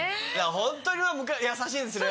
ホントに優しいんですね。